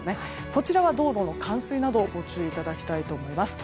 こちらは道路の冠水などにご注意いただきたいと思います。